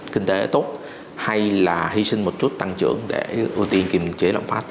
kinh tế tốt hay là hy sinh một chút tăng trưởng để ưu tiên kiềm chế lạm phát